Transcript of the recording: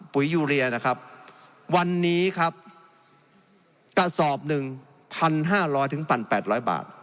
ปุ๋ยยูเรียนะครับวันนี้ครับกระสอบหนึ่งพันห้าร้อยถึงปันแปดร้อยบาท